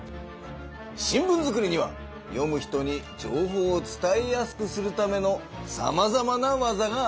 新聞作りには読む人に情報を伝えやすくするためのさまざまな技がある。